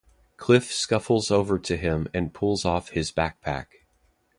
Cliff scuffles over to him and pulls off his backpack.